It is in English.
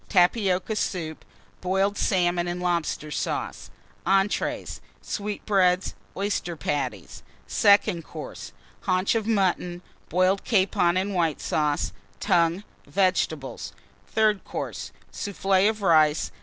Tapioca Soup. Boiled Salmon and Lobster Sauce. ENTREES. Sweetbreads. Oyster Patties. SECOND COURSE. Haunch of Mutton. Boiled Capon and White Sauce. Tongue. Vegetables. THIRD COURSE. Soufflé of Rice.